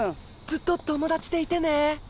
ずっと友達でいてね。